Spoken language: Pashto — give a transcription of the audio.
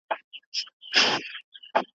دا زموږ عقيده ده.